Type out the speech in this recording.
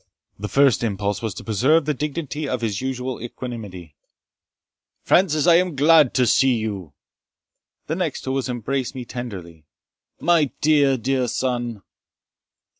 The first impulse was to preserve the dignity of his usual equanimity, "Francis, I am glad to see you." The next was to embrace me tenderly, "My dear dear son!"